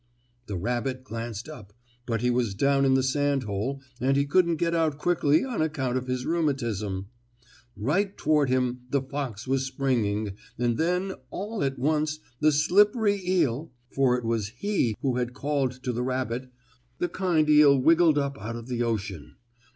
The rabbit glanced up, but he was down in the sand hole and he couldn't get out quickly on account of his rheumatism. Right toward him the fox was springing, and then, all at once, the slippery eel for it was he who had called to the rabbit the kind eel wiggled up out of the ocean.